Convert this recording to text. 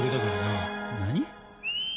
何？